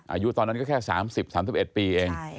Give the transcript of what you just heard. อายุตอนนั้นก็แค่๓๐๓๑ปีเอง